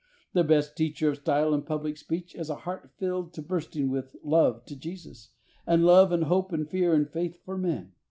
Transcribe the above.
The best teacher of style in public speech is a heart filled to burst ing with love to Jesus, and love and hope and fear and faith for men.